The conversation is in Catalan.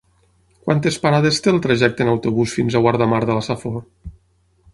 Quantes parades té el trajecte en autobús fins a Guardamar de la Safor?